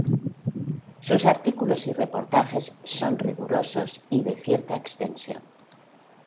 Sus artículos y reportajes son rigurosos y de cierta extensión.